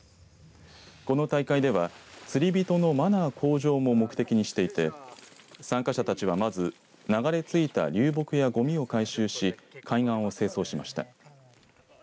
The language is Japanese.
この大会では釣り人のマナー向上も目的にしていて参加者たちは、まず流れ着いた流木や、ごみを回収し海岸を清掃しました。